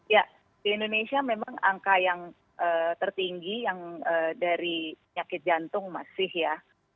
ya di indonesia memang angka yang tertinggi yang dari penyakit jantung masih ya